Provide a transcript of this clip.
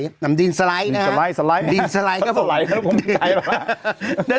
ดินสไรดินสไรนะครับอ่าต้องแล้วดินสไรนี่ใจบ้าง